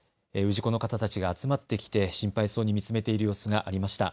氏子の方たちが集まってきて心配そうに見つめている様子がありました。